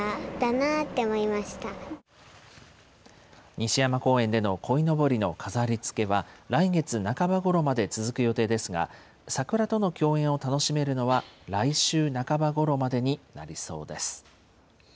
西山公園でのこいのぼりの飾りつけは、来月半ばごろまで続く予定ですが、桜との共演を楽しめるのは来週半ばごろまでになりそうです。